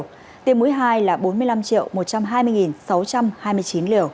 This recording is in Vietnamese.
cơ quan truyền thông báo